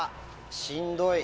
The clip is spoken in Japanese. しんどい。